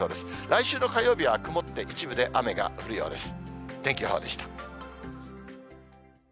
来週の火曜日は曇って、一部で雨が降るようです。